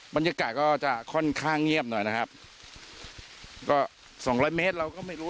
บรรยากาศก็จะค่อนข้างเงียบหน่อยนะครับก็สองร้อยเมตรเราก็ไม่รู้